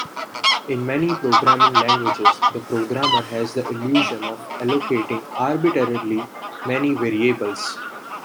In many programming languages, the programmer has the illusion of allocating arbitrarily many variables.